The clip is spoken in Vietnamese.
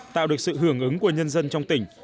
tạo được sự hưởng ứng của nhân dân trong tỉnh